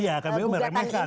iya kpu meremehkan